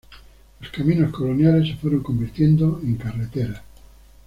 Los caminos coloniales se fueron convirtiendo en carreteras.